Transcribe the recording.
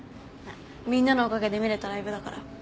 みんなのおかげで見れたライブだから。